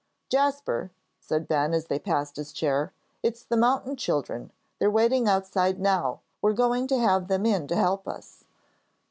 "Jasper," said Ben, as they passed his chair, "it's the mountain children; they're waiting outside now. We're going to have them in to help us."